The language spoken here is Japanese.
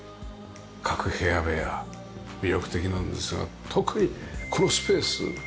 各部屋部屋魅力的なんですが特にこのスペース。